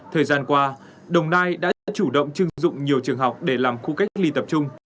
thời gian qua đồng nai đã chủ động trưng dụng nhiều trường học để làm khu cách ly tập trung